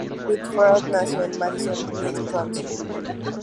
Whitford nació en Madison, Wisconsin.